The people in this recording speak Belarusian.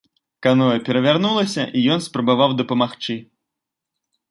Каноэ перавярнулася і ён спрабаваў дапамагчы.